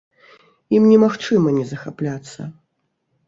Ім немагчыма не захапляцца.